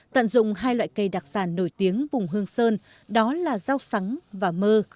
tận dụng hai loại cây đặc sản nổi tiếng vùng hương sơn đó là rau sắn và mơ